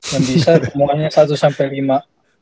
yang bisa semuanya satu sampai lima